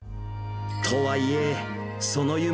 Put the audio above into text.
とはいえ、その夢